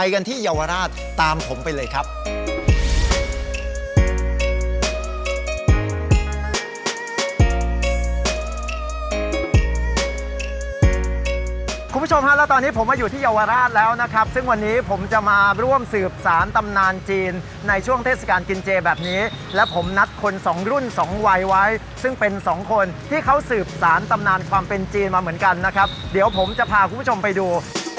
คุณผู้ชมฮะแล้วตอนนี้ผมมาอยู่ที่เยาวราชแล้วนะครับซึ่งวันนี้ผมจะมาร่วมสืบสารตำนานจีนในช่วงเทศกาลกินเจแบบนี้และผมนัดคนสองรุ่นสองวัยไว้ซึ่งเป็นสองคนที่เขาสืบสารตำนานความเป็นจีนมาเหมือนกันนะครับเดี๋ยวผมจะพาคุณผู้ชมไปดู